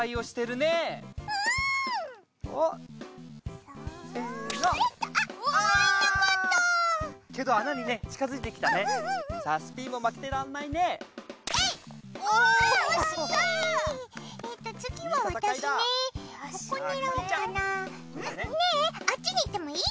ねぇあっちに行ってもいい？